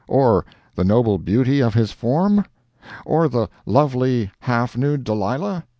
or the noble beauty of his form? or the lovely, half nude Delilah?